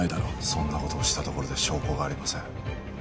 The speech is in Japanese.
そんなことをしたところで証拠がありません